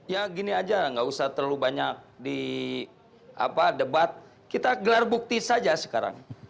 ya gini aja nggak usah terlalu banyak di debat kita gelar bukti saja sekarang